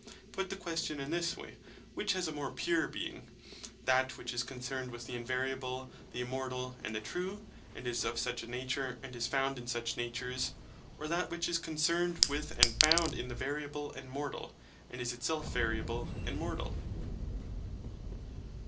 Put the question in this way:—Which has a more pure being—that which is concerned with the invariable, the immortal, and the true, and is of such a nature, and is found in such natures; or that which is concerned with and found in the variable and mortal, and is itself variable and mortal?